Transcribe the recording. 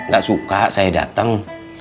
gak suka saya dateng